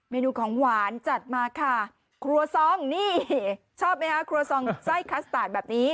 นูของหวานจัดมาค่ะครัวซองนี่ชอบไหมคะครัวซองไส้คัสตาร์ทแบบนี้